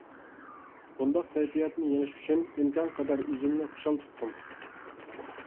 بۇنداق كەيپىياتنى يېڭىش ئۈچۈن، ئىمكانقەدەر ئۆزۈمنى خۇشال تۇتتۇم.